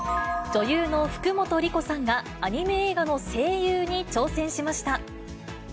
女優の福本莉子さんがアニメ映画の声優に挑戦しました。